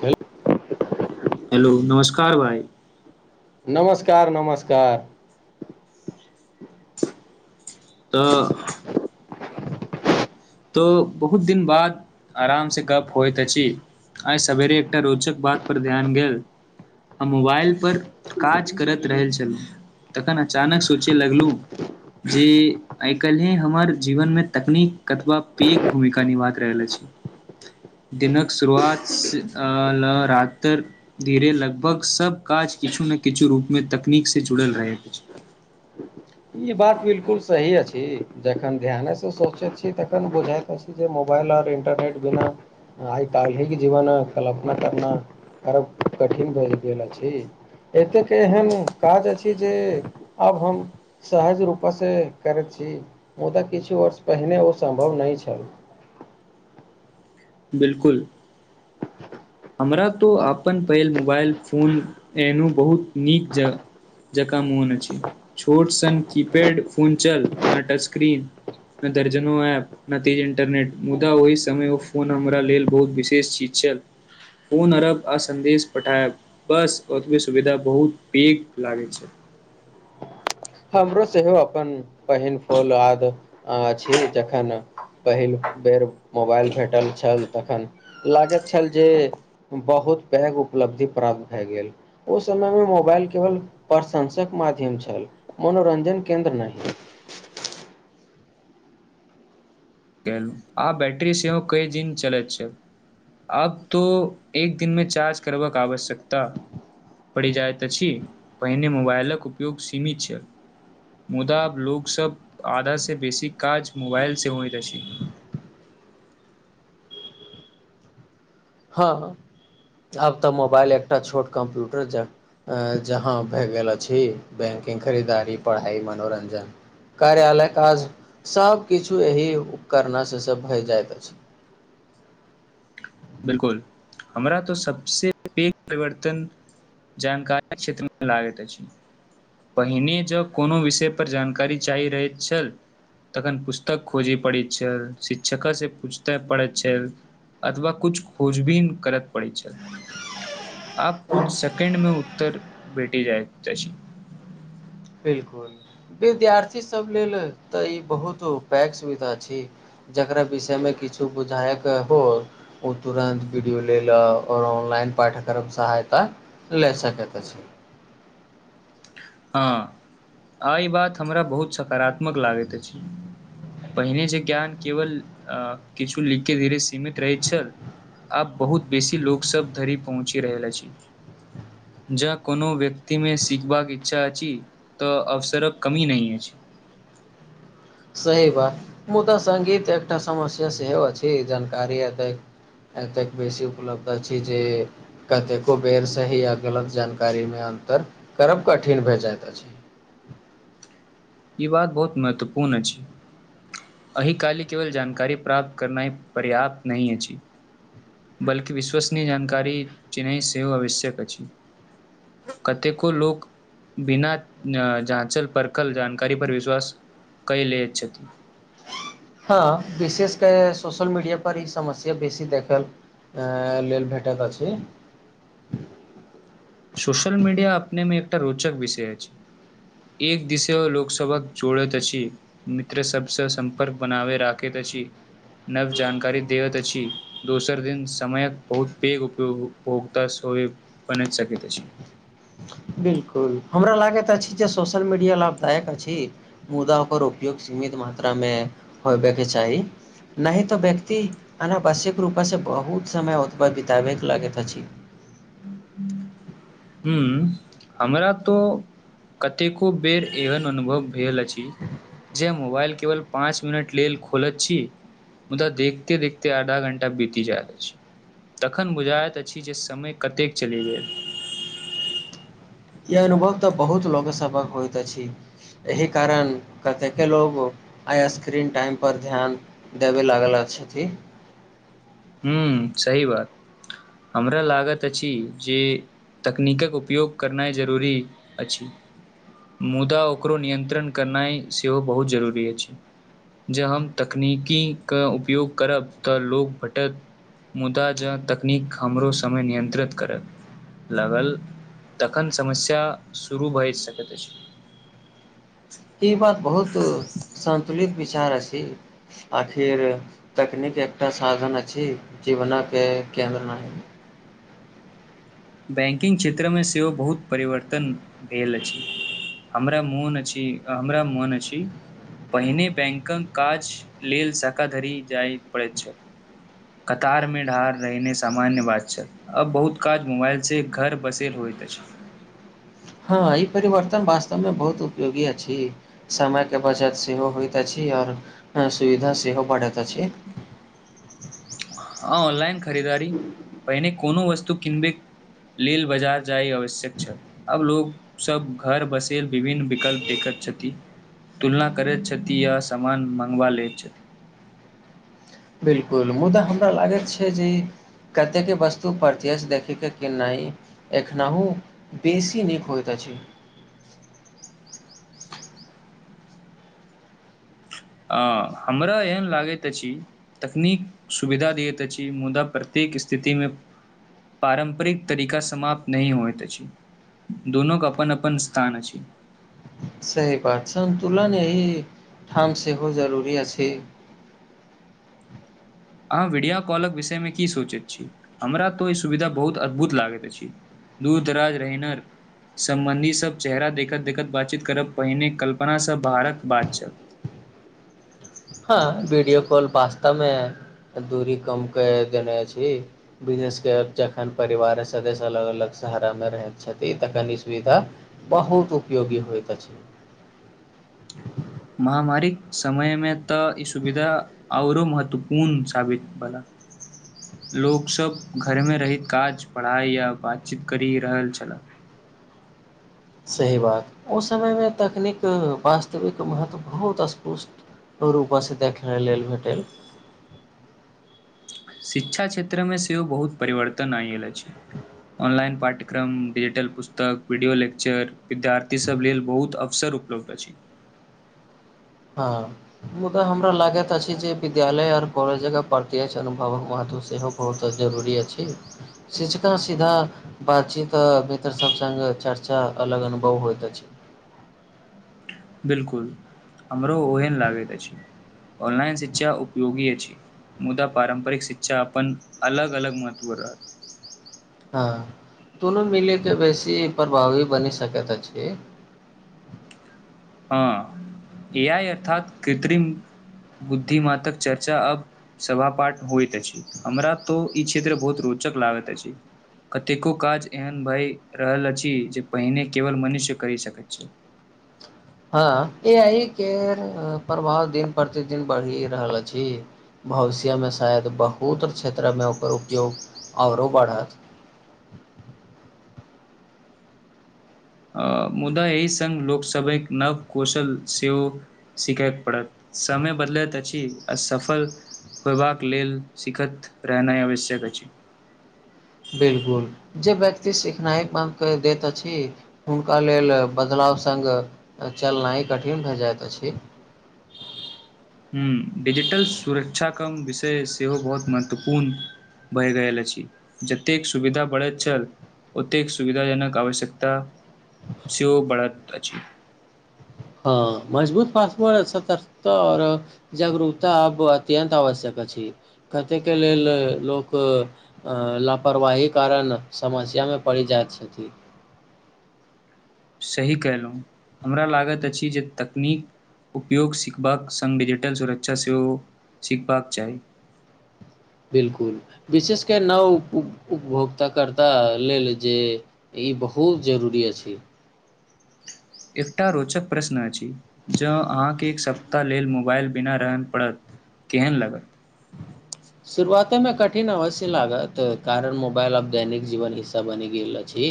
हेल हेलो नमस्कार भाय नमस्कार नमस्कार त तो बहुत दिन बाद आरामसँ गप्प होइत अछि आइ सवेरे एकटा रोचक बातपर ध्यान गेल हम मोबाइलपर काज करैत रह छलहुँ तखन अचानक सोचय लगलु जे आइ काल्हिे हमर जीवनमे तकनीक कतबा पेघ भूमिका निभाात रहल अछि दिनक शुरुआत अ ल रातर धीरे लगभग सब काज किछु ने किछु रूप मे तकनीक से जुड़ल रहैत अछि ई बात बिलकुल सही अछि जखन ध्यानसँ सोचैत छी तखन बुझैत अछि जे मोबाइल आर इंटरनेट बिना आइ काल्हिक जीवन कल्पना करना करब कठिन भए गेल अछि एतेक एहन काज अछि जे आब हम सहज रूपसँसँ करैत छी मुदा किछु वर्ष पहिने ओ सम्भव नहि छल। बिलकुल हमरा तो अपन पहिल मोबाइल फोन एहनो बहुत नीक ज जकाँ मोन अछि छोट सन कीपैड फोन चल न टच स्क्रीन न दर्जनो ऐप न तेज इंटरनेट मुदा ओहि समय उ फोन हमरा लेल बहुत विशेष चीज छल फोन अरब आ सन्देश पठायब बस ओतबे सुविधा बहुत पेघ लागै छै। हमरो सेहो अपन पहिल फूल आद अछि जखन पहिल बेर मोबाइल भेटल छल तखन लागैत छल जे बहुत पैघ उपलब्धि प्राप्त भए गेल ओहि समयमे मोबाइल केवल प्रशंसक माध्यम छल। मनोरञ्जन केन्द्र नहि केल आब बैटरी सेहो कई दिन चलैत छल आब तो एक दिन मे चार्ज करबाक के आवश्यकता परी जाइत अछि पहिने मोबाइलक उपयोग सीमित छै मुदा अब लोग सब आधा से बेसी काज मोबाइल से हो रशी हँ आब त मोबाइल एकटा छोट कम्प्यूटर जक आ जहाँ भए गेल अछि बैंकिंग खरीदारी पढ़ाइ मनोरञ्जन कार्यालय काज सभकिछु एहि उपकरणास से से भय जाइत अछि। बिलकुल हमरा त सबस पैघ परिवर्तन जानकारी क्षेत्रमे लागैत अछि। पहिने जब कोनो विषय पर जानकारी चाही रहैत छल। तखन पुस्तक खोजय पड़ैत छल शिक्षक से पूछते पड़ैत छल। अथवा कुछ खोज बिन करत पड़ी छल। आप कुछ सेकंड मे उत्तर भेटी जाय च बिलकुल विद्यार्थीसभ लेल त ई बहुत पैघ सुविधा छै। जकरा विषयमे किछो बुझायके हो ओ तुरन्त वीडियो लै लए आओर ऑनलाइन पाठ्यक्रम सहायता लए सकैत अछि। हँ आ ई बात हमरा बहुत सकारात्मक लागैत अछि। पहिने जे ज्ञान केवल किछु लिखके धीरे सीमित रहैत छल। आब बहुत बेसी लोक सब धरि पहुँचि रहल अछि जँ कोनो व्यक्ति मे सिखबाक इच्छा छी तऽ अवसर कमी नहि हो सही बात मुदा सङ्गीत एकटा समस्या सेहो अछि जानकारी एतेक एतेक बेसी उपलब्ध अछि जे कतेको बेर सही आ गलत जानकारीमे अन्तर करब कठिन भए जाइत अछि। ई बात बहुत महत्वपूर्ण अछि अहि काल केवल जानकारी प्राप्त करनाइ पर्याप्त नहिह अछि। बल्कि विश्वसनीय जानकारी चिन्नई सेव आवश्यक अछि कतेको लोक बिना झाँचल परकल जानकारी पर विश्वास कहि ले छथि हँ विशेष क सोशल मीडिय पर ई समस्या बेसी देखल लेल भेटैत अछि। सोशल मीडिया अपने मे एकटा रोचक विषय अछि एक दिसे लोकसभक जोड़ैत अछिम मित्र सबसँ सम्पर्क बनाबे राखैत अछि नव जानकारी देैत अछि। दोसर दिन समयक बहुत पेघ उपभोग्तास बनैत सकैत त छी बिलकुल हमरा लागैत अछि जे सोशल मीडिया लाभदायक अछि। मुदा ओकर उपयोग सीमित मात्रामे होबे के चाही नहि तऽ व्यक्ति अनावश्यक रूपे से बहुत समय ओतबा बितबेके लगैत अछि। हँ हमरा तऽ कतेको बेर एहन अनुभव भेल अछि। जे मोबाइल केवल पाँच मिनट लेल खोलैत छी। मुदा देखते देखते आधा घण्टा बीति जाइत अछि तखन बुझाइत अछि। जे समय कतेक चलि गेल ई अनुभव तऽ बहुत लोकसभक होइत अछि। एहि कारण कतेकके लोको आइ स्क्रीन टाइमपर ध्यान देबय लागल। छथिन ह सही बात हमरा लागत अछि। जे तकनीकक उपयोग करनाइ जरूरी अछि। मुदा ओकरो नियन्त्रण करनाइ सेहो बहुत जरूरी अछि। जे हम तकनीकीके उपयोग करब तऽ लोक भट मुदा ज तकनीक हमरो समय नियंत्रित करै लागल तखन समस्या शुरू भए सकैत अछि। ई बात बहुत संन्तुलित आखिर तकनीक एकटा साधन अछि। जीवनके केन्द्र नहि बैंकिंग क्षेत्र मे सेहो बहुत परिवर्तन भेल अछि। हमरा मोन अछि। हमरा मोन अछि। पहिने बैंकक काज लेल शखाधरि जाय पड़ैत छल कतार मे ढार रहहिने सामान्य बात छल। अब बहुत काज मोबइल से घर बसल होइ त ई परिवर्तन व्तहुयोगी समयके बचत सेहो होइत अछि आओर सुविधा सेहो बढ़ैत अछि। ह ऑनलाइन खरीदारी पहिने कोनो वस्तु किनबे लेल बाजार जाय आवश्यक छल। आब लोकोग सब घर बसेल विभिन्न विकल्प देखैत छथि तुलना करैत छथि य सामान मंगवा लैत छथि। बिलकुल मुदा हमरा लागैत छै। जे कतेकके वस्तु प्रत्यसँ देखयके केनाइ एखनहुँ बेसी नीक होइत अछि आ हमरा एहन लागैत अछि। तकनीक सुविधा दैत अछि। मुदा प्रत्येक स्थितिमे पारम्परिक तरीका समाप्त नहि होइत अछि। दुनोके अपन अपन स्थान अछि। सही बात संन्तुलन यह ठाम सेहो जरूरी अछि। छै अहाँ वीडियो कॉलक विषयमे की सोचैत छी। हमरा तो ई सुविधा बहुत अद्भुत लागैत अछि। दूर दराज रहन सम्बन्धी सभ चेहरा देखैत देखैत बातचीत करब पहिने कल्पनासँ बरक बात छल। हँ वीडियो कॉल वास्तामे दूरी कम क देने छी। बिजने जखन परिवारक सदस्य अलग अलग शहरामे रहैत छथिन तखन ई सुविधा बहुत उपयोगी होइत अछि। महामारीक समयमे तऽ ई सुविधा औरो महत्वपूर्ण साबित भेलला लोकसभ घरमे रैत काज पढ़ाई या बातचीत करि रहल छललाह सही बात ओहि समयमे तकनीक वास्तविक महत्व बहुत स्पुष्ट रूपसँसँ देखने लेल भेटल शिक्षा क्षेत्रमे सेहो बहुत परिवर्तन आयल अछि। ऑनलाइन पाठ्यक्रम डिजिटल पुस्तक वीडियो लेक्चर विद्यार्थीसभ लेल बहुत अवसर उपलब्ध अछि। हँ मुदा हमरा लागैत अछि। जे विद्यालय आओर कॉलेज जकह प्रत्य्ष अनुभवक महत्व सेहो बहुत जरूरी अछि। शिक्षका सीधा बातचीत मित्रसभ सङ्ग चर्चा अलग अनुभव होइत अछि। बिलकुल हमरो ओहन लागैत अछि। ऑनलाइन शिक्षा उपयोगी अछि। मुदा पारम्परिक शिक्षा अपन अलग अलग महत्व रहत हँ दुनू मिलै के बेसी प्रभावी बनि सकैत अछि। हँ ए आइ अर्थात कृत्रिम बुद्धिमातक चर्चा अब सभापाठ होइत अछि। हमरा तो ई क्षेत्र बहुत रोचक लागैत अछि। कतेको काज एहन भए रहल अछि जे पहिने केवल मनुष्य करि सकैत छै। हँ ए आइ के प्रभाव दिन प्रतिदिन बढ़ि रहल अछि। भविष्यमे शायद बहुत क्षेत्रमे ओकर उपयोग आओरो बढ़त मुदा एहि सङ्ग लोकसभक नव कौशल सेहो सिखयके पड़त समय बदलैत अछि। आ सफल होयबाक लेल सिखैत रहनाइ आवश्यक अछि। बिलकुल जे व्यक्ति सिखनाइ बन्द क दैत अछि। हुनका लेल बदलाव सङ्ग चलनाइ कठिन भए जाइत अछि। ह डिजिटल सुरक्षा कम विषय सेहो बहुत महत्वपूर्ण भए गेल अछि। जतेक सुविधा बढ़ैत छल ओतेक सुविधाजनक आवश्यकता, सेओ बढ़त अछि हँ मजबूत पास सतर्कता आओर जागरूकता आब अत्यन्त आवश्यक अछि कतेकके लेल लोक लापरवाहीक कारण समस्यामे पड़ि जाइत छथि सही कयलहुँ हमरा लागैत अछि जे तकनीक उपयोग सिखबाक सङ्ग डिजिटल सुरक्षा सेहो सिखबाक चाही बिलकुल विशेषकर नव उप उपभोक्ताकर्ता लेल जे ई बहुत जरूरी अछि एकटा रोचक प्रश्न अछि जँ अहाँके एक सप्ताह लेल मोबाइल बिना रहय पड़त केहन लागत शुरुआतेमे कठिन अवश्य लागत कारण मोबाइल आब दैनिक जीवन हिस्सा बनि गेल अछि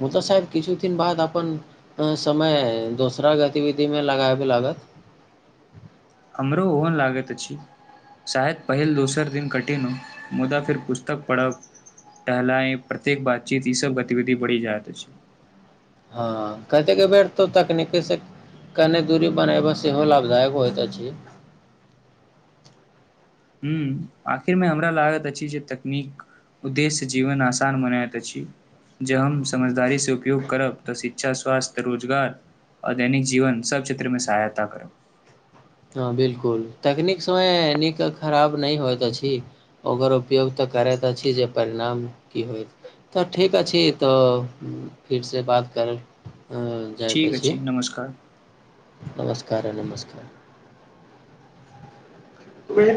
मु तऽ साहेब किछु दिन बाद अपन समय दोसरा गतिविधिमे लगाबबय लागत हमरो ओहन लागैत अछि शायद पहिल दोसर दिन कठिन हो मुदा फेर पुस्तक पढ़ब टहलाय प्रत्येक बातचीत ई सब गतिविधि बढ़ि जाइत अछि हँ कतेक बेर तऽ तकनीकीसँ कनि दूरी बनयब सेहो लाभदायक होइत अछि ह आखिरमे हमरा लागत अछि जे तकनीक उद्देश्य जीवन आसान बनाैत अछि जे हम समझदारी से उपयोग करब तऽ शिक्षा स्वास्थ्य रोजगार आ दैनिक जीवन सभ क्षेत्रमे सहायता करब हँ बिलकुल तकनीक सममे नीक खराब नहि होइत अछि ओकर उपयोग तऽ करैत अछि जे परिणाम की होइत तऽ ठीक अछि तऽ फिरसँ बात करब ठीक अछि छै नमस्कार नमस्कार नमस्कार [unintelligible]